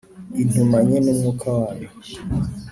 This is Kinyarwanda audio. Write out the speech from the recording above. intumanye n Umwuka wayo